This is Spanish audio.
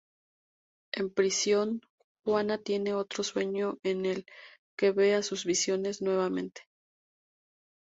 En prisión, Juana tiene otro sueño en el que ve a sus visiones nuevamente.